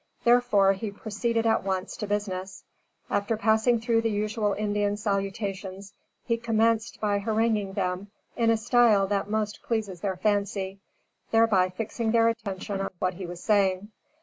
Therefore he proceeded, at once, to business. After passing through the usual Indian salutations, he commenced by haranguing them, in a style that most pleases their fancy, thereby fixing their attention on what he was saying.